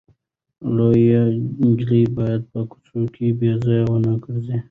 لويه نجلۍ باید په کوڅو کې بې ځایه ونه ګرځي.